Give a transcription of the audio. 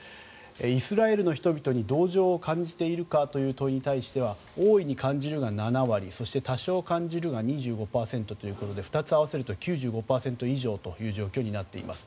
イスラエルの人々に同情を感じているか？という問いに対しては多いに感じるが７割そして多少感じるが２５％ということで２つ合わせると９５％以上という状況になっています。